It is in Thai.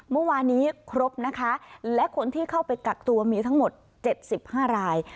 เมื่อวานนี้ครบนะคะและคนที่เข้าไปกักตัวมีทั้งหมด๗๕ราย